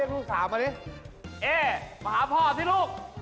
เรามาหาพ่อที่ลูก